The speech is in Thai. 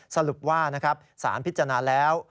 สรุปว่านะครับสารพิจารณาแล้ว